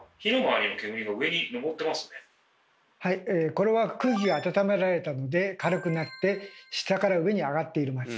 これは空気があたためられたので軽くなって下から上にあがっています。